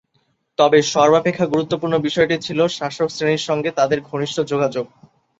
তবে সর্বাপেক্ষা গুরুত্বপূর্ণ বিষয়টি ছিল শাসকশ্রেণীর সঙ্গে তাদের ঘনিষ্ঠ যোগাযোগ।